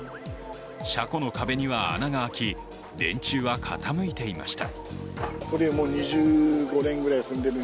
車庫の壁には穴が開き、電柱は傾いていました。